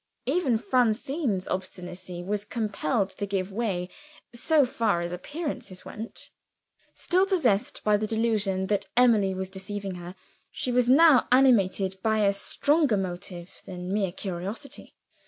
Even Francine's obstinacy was compelled to give way, so far as appearances went. Still possessed by the delusion that Emily was deceiving her, she was now animated by a stronger motive than mere curiosity.